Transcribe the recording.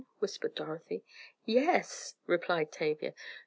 whispered Dorothy. "Yes," replied Tavia.